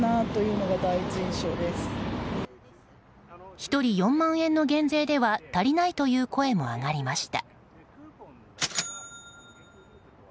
１人４万円の減税では足りないという声も上がりました。